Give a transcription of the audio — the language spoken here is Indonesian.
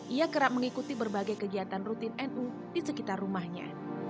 ia kerap mengikuti berbagai kegiatan rutin nu di sekitar rumahnya